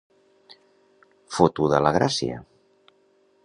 Fotuda la gràcia!